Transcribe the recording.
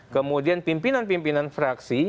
kemudian pimpinan pimpinan fraksi